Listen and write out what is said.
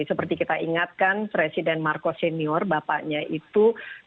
seperti kita ingatkan presiden marcos senior bapaknya itu